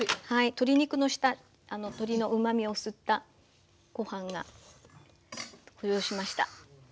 鶏肉の下鶏のうまみを吸ったご飯が浮上しました。